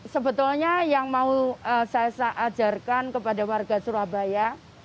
sebetulnya yang mau saya ajarkan kepada warga surabaya